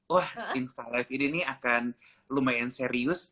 wah insta life ini akan lumayan serius